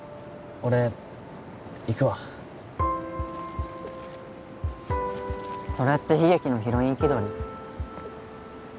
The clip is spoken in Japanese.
俺行くわそれって悲劇のヒロイン気取り？